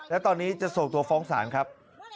แล้วตอนนี้จะส่งตัวฟ้องศาลครับ